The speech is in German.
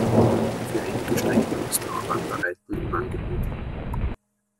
Für einige Strecken ist auch Wanderreiten im Angebot.